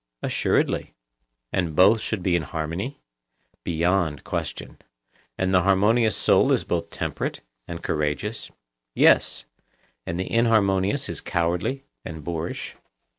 Assuredly. And both should be in harmony? Beyond question. And the harmonious soul is both temperate and courageous? Yes. And the inharmonious is cowardly and boorish?